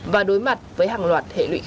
và đối mặt với hàng loạt hệ lụy khác